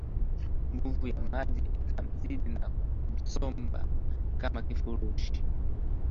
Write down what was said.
Nguvu ya maji ikamzidi na kumsomba kama kifurushi